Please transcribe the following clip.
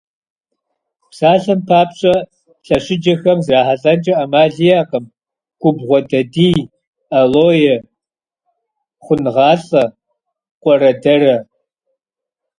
Псалъэм папщӏэ, лъэщыджэхэм зрахьэлӏэнкӏэ ӏэмал иӏэкъым губгъуэдадий, алоэ, хъунгъалӏэ, къуэрэдэрэ.